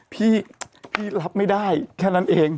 พี่รับไม่ได้แค่นั้นเอง